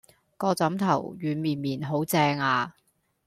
個枕頭軟綿綿好正呀